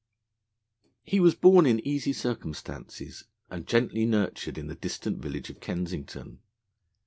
He was born in easy circumstances, and gently nurtured in the distant village of Kensington.